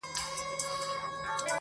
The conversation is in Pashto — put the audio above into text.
باڼه به مي په نيمه شپه و لار ته ور وړم.